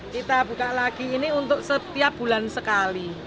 kita buka lagi ini untuk setiap bulan sekali